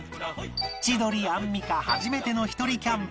千鳥アンミカ初めてのひとりキャンプ